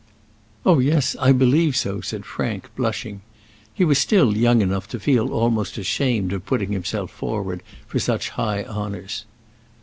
"Oh, yes; I believe so," said Frank, blushing. He was still young enough to feel almost ashamed of putting himself forward for such high honours.